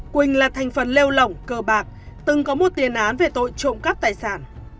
quỳnh là thành phần lêu lỏng cờ bạc từng có một tiền án về tội trộm cắp tài sản